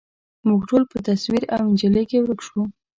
موږ ټول په تصویر او انجلۍ کي ورک شوو